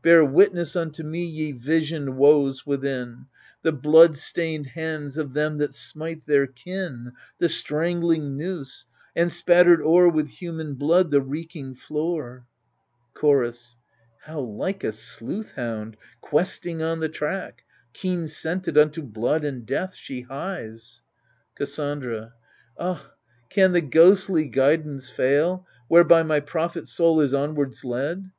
Bear witness unto me, Ye visioned woes within — The blood stained hands of them that smite their kin — The strangling noose, and, spattered o'er With human blood, the reeking floor 1 Chorus How like a sleuth hound questing on the track, Keen scented unto blood and death she hies I Cassandra Ah t can the ghostly guidance fail, Whereby my prophet soul is onwards led